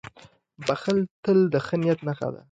• بښل تل د ښه نیت نښه ده.